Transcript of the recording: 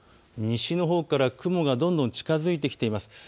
西のほうから雲がどんどん近づいてきています。